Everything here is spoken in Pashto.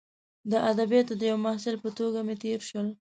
د ادبیاتو د یوه محصل په توګه مې تیر شول.